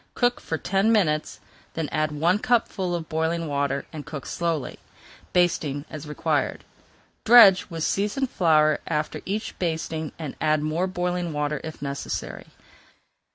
Cook for ten minutes, [Page 405] then add one cupful of boiling water, and cook slowly, basting as required. Dredge with seasoned flour after each basting, and add more boiling water if necessary.